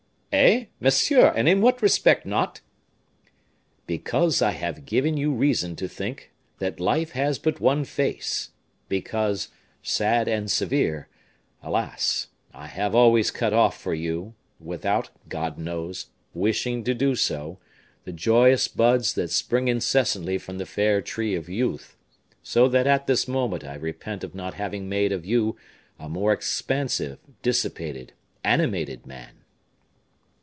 "Eh! monsieur, and in what respect not?" "Because I have given you reason to think that life has but one face, because, sad and severe, alas! I have always cut off for you, without, God knows, wishing to do so, the joyous buds that spring incessantly from the fair tree of youth; so that at this moment I repent of not having made of you a more expansive, dissipated, animated man."